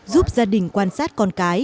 giúp gia đình quan sát con cái